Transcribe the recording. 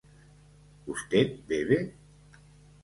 ¿usted bebe?